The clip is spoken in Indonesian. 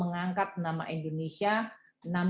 endesa pers pumpkins and k pam